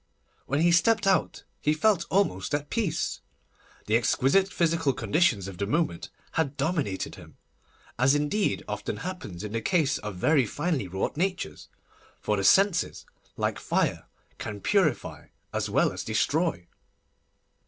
When he stepped out he felt almost at peace. The exquisite physical conditions of the moment had dominated him, as indeed often happens in the case of very finely wrought natures, for the senses, like fire, can purify as well as destroy.